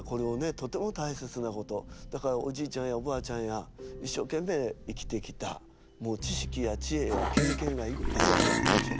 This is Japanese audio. とても大切なことだからおじいちゃんやおばあちゃんやいっしょうけんめい生きてきたもう知識や知恵や経験がいっぱいあるわけでしょ。